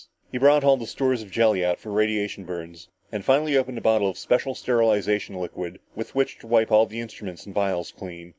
He brought all the stores of jelly out for radiation burns and finally opened a bottle of special sterilization liquid with which to wipe all the instruments and vials clean.